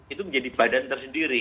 itu menjadi badan tersendiri